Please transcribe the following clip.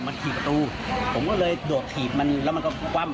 มันถีบประตูผมก็เลยโดดถีบมันแล้วมันก็คว่ำ